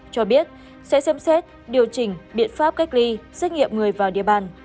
cho biết sẽ xem xét điều chỉnh biện pháp cách ly xét nghiệm người vào địa bàn